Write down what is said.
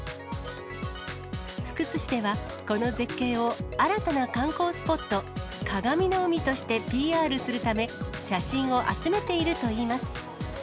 福津市では、この絶景を新たな観光スポット、かがみの海としてＰＲするため、写真を集めているといいます。